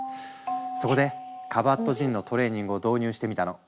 そこでカバットジンのトレーニングを導入してみたの。